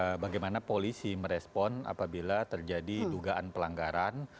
nah bagaimana polisi merespon apabila terjadi dugaan pelanggaran